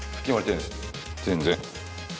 全然。